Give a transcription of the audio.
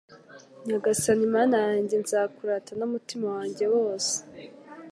Nyagasani Mana yanjye nzakurata n’umutima wanjye wose